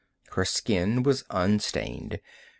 Her skin was unstained.